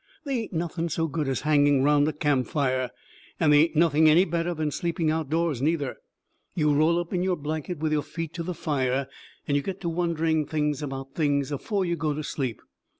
They ain't nothing so good as hanging round a campfire. And they ain't nothing any better than sleeping outdoors, neither. You roll up in your blanket with your feet to the fire and you get to wondering things about things afore you go to sleep.